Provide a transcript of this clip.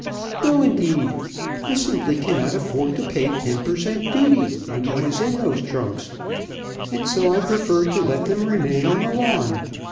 No, indeed! I simply cannot afford to pay ten per cent. duty on what is in those trunks, and so I prefer to let them remain on the lawn.